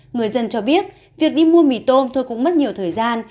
người dân cho biết việc đi mua mì tôm thôi cũng mất nhiều thời gian